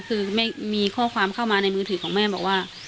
คือแม่มีข้อความเข้ามาในมือถือของแม่บอกว่า